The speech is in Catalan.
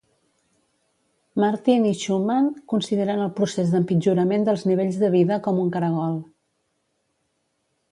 Martin i Schumann consideren el procés d'empitjorament dels nivells de vida com un caragol.